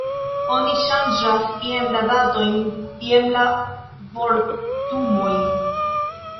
Oni ŝanĝas jen la datojn, jen la vortumojn.